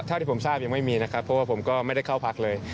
เท่าที่ผมทราบยังไม่มีนะครับเพราะว่าผมก็ไม่ได้เข้าพักเลย